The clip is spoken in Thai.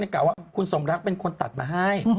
กล่าว่าคุณสมรักเป็นคนตัดมาให้